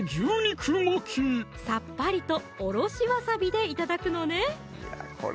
さっぱりとおろしわさびで頂くのね